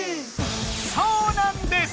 そうなんです！